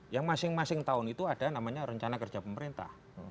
yang masing masing tahun itu ada namanya rencana kerja pemerintah